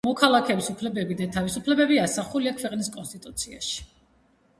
მოქალაქეების უფლებები და თავისუფლებები ასახულია ქვეყნის კონსტიტუციაში.